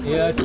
ya di sini